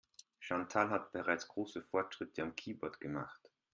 Chantal hat bereits große Fortschritte am Keyboard gemacht.